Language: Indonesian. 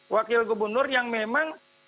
wakil gubernur yang memang